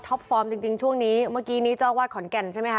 ฟอร์มจริงช่วงนี้เมื่อกี้นี้เจ้าอาวาสขอนแก่นใช่ไหมคะ